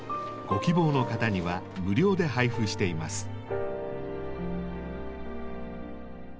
ご希望の方には無料で配布しています。